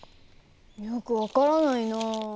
よく分からないな。